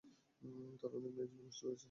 তারা অনেক মেয়ের জীবন নষ্ট করেছে।